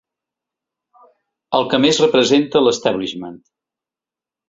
El que més representa l’establishment.